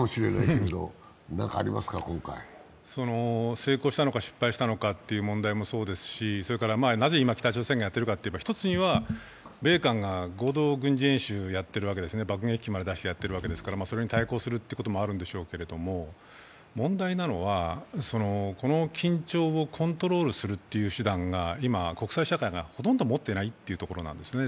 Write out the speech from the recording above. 成功したのか、失敗したのかという問題もそうですし、なぜ今、北朝鮮がやってるかというと、１つには米韓が合同軍事演習をやっているわけですね、爆撃機を出してまでやっているので、それに対抗するということもあるんでしょうけれども問題なのはこの緊張をコントロールという手段が今、国際社会がほとんど持ってないということなんですね。